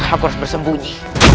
aku harus bersembunyi